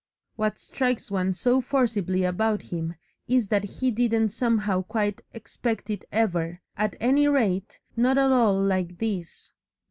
What strikes one so forcibly about him is that he didn't somehow quite expect it ever, at any rate, not at all like this.